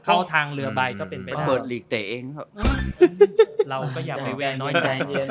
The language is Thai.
เข้าทางเรือใบก็เป็นไปแล้วเราก็อย่าไปแว่น้อยใจเย็น